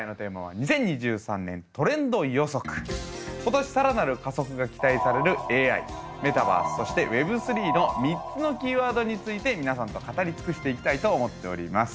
という中で今年更なる加速が期待されるＡＩメタバースそしてＷｅｂ３の３つのキーワードについて皆さんと語り尽くしていきたいと思っております。